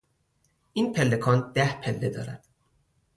این پلکان ده پله دارد.